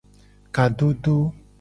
Kadodo.